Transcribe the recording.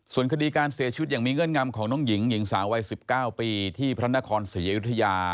ส่วนคดีการเสียชีวิตอย่างมีเงื่อนงำของน้องหญิงหญิงสาววัย๑๙ปีที่พระนครศรีอยุธยา